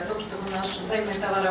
untuk mencapai tiga miliar dolar